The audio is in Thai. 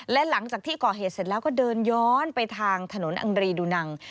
และหลังจากที่ก่อเหตุเสร็จแล้วก็เดินย้อนไปทางถนนอังรีดูนัง